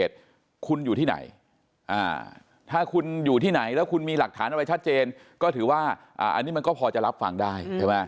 ถ้าคุณอยู่ที่ไหนแล้วคุณมีหลักฐานอะไรชัดเจนก็ถือว่าอันนี้มันก็พอจะรับฝั่งได้